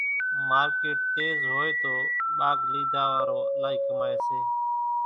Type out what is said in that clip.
مارڪيٽ تيز هوئيَ تو ٻاگھ ليڌا وارو الائِي ڪمائيَ سي۔